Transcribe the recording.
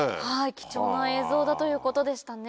貴重な映像だということでしたね。